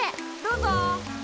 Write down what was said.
どうぞ。